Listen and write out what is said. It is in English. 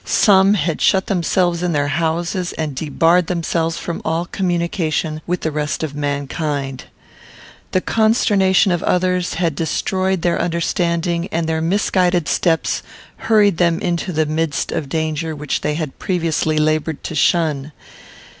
Some had shut themselves in their houses, and debarred themselves from all communication with the rest of mankind. The consternation of others had destroyed their understanding, and their misguided steps hurried them into the midst of the danger which they had previously laboured to shun.